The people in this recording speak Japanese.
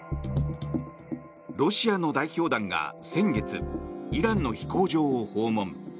ロシアの代表団が先月、イランの飛行場を訪問。